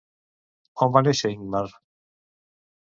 On va néixer Ingmar?